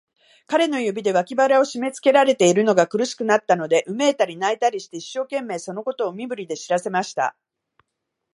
彼の指で、脇腹をしめつけられているのが苦しくなったので、うめいたり、泣いたりして、一生懸命、そのことを身振りで知らせました。